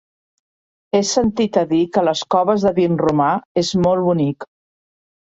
He sentit a dir que les Coves de Vinromà és molt bonic.